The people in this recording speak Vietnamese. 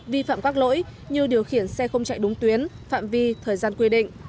vi phạm các lỗi như điều khiển xe không chạy đúng tuyến phạm vi thời gian quy định